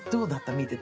見てて。